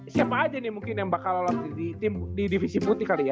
siapa aja nih mungkin yang bakal lolos di divisi putih kali ya